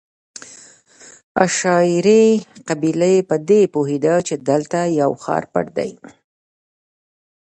عشایري قبیله په دې پوهېده چې دلته یو ښار پټ دی.